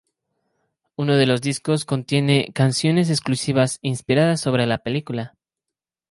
Uno de los discos contiene canciones exclusivas inspiradas sobre la película.